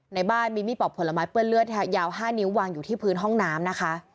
ในบ้านมีมีดปอกผลไม้เปื้อนเลือดยาว๕นิ้ววางอยู่ที่พื้นห้องน้ำนะคะ